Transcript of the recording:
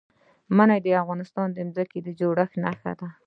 منی د افغانستان د ځمکې د جوړښت نښه ده.